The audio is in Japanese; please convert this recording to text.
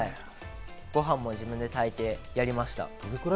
ご飯も自分で炊いてやりました。